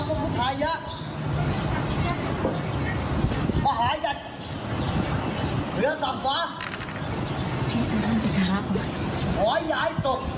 โอ้ย